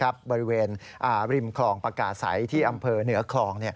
บริเวณริมคลองปากาศัยที่อำเภอเหนือคลอง